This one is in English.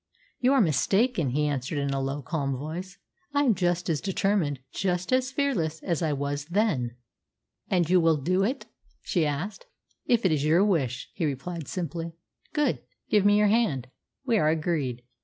"You are mistaken," he answered in a low calm voice. "I am just as determined just as fearless as I was then." "And you will do it?" she asked. "If it is your wish," he replied simply. "Good! Give me your hand. We are agreed.